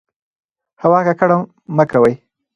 هوا ککړه مه کوئ.